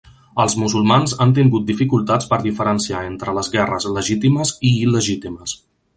Els musulmans han tingut dificultats per diferenciar entre les guerres legítimes i il·legítimes.